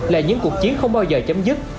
là những cuộc chiến không bao giờ chấm dứt